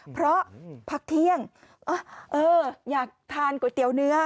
เพราะพักเที่ยงอยากทานก๋วยเตี๋ยวเนื้อ